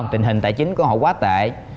tình hình tài chính của họ quá tệ